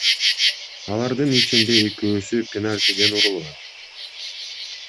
Алардын ичинде экөөсү — пенальтиден урулган.